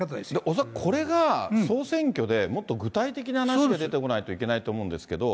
恐らくこれが、総選挙でもっと具体的な話が出てこないといけないと思うんですけれども。